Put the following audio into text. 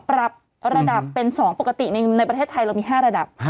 ปรับระดับเป็น๒ปกติในประเทศไทยเรามี๕ระดับ